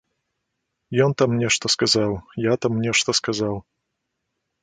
Ён там нешта сказаў, я там нешта сказаў.